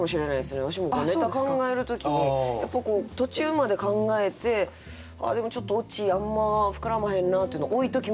わしもネタ考える時にやっぱりこう途中まで考えてああでもちょっとオチあんま膨らまへんなっていうのは置いときますもん。